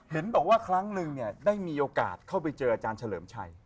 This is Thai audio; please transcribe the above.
เห็นบอกว่าครั้งนึงเนี่ยได้มีโอกาสเข้าไปเจออาจารย์เฉลิมชัย